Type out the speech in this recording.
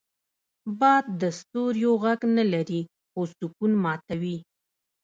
باد د ستوریو غږ نه لري، خو سکون ماتوي